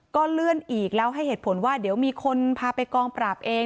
ก็เลื่อนอีกแล้วให้เหตุผลว่าเดี๋ยวมีคนพาไปกองปราบเอง